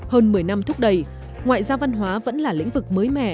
hơn một mươi năm thúc đẩy ngoại giao văn hóa vẫn là lĩnh vực mới mẻ